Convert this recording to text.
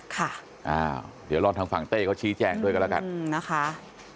ค่ะอ่าเดี๋ยวรอทางฝั่งเต้เขาชี้แจงด้วยกันแล้วกันนะคะ